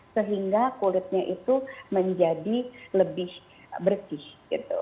sehingga kulitnya itu menjadi lebih bersih gitu